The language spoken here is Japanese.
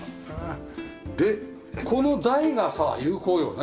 でこの台がさ有効よね。